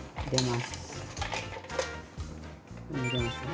入れますね。